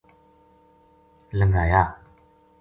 لنگھایا